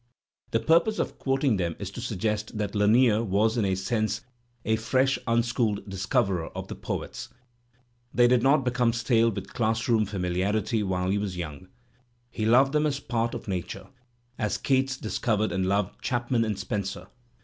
The purpose of quoting them is to suggest that Lanier was in a sense a fresh unschooled discoverer of the poets. They did not become stale with class room famiUarity while he was young; he loved them as part of nature, as Keats discovered and loved Chapman and Spenser.